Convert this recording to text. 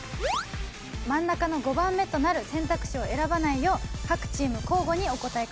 真ん中の５番目となる選択肢を選ばないよう各チーム交互にお答え